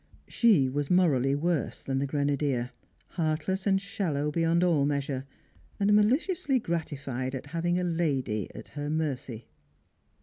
She was morally worse than the grenadier, heartless and shallow beyond all measure, and mali ciously gi'atified at having a lady at her mercy.